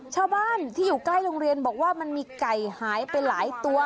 ชาวบ้านที่อยู่ใกล้โรงเรียนบอกว่ามันมีไก่หายไปหลายตัว